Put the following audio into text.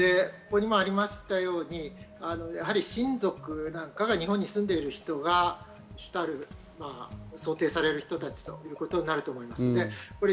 ここにもありましたように、やはり親族なんかが日本に住んでる人が想定される人たちということになると思います。